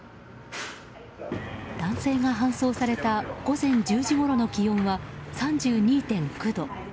男性が搬送された午前１０時ごろの気温は３２．９度。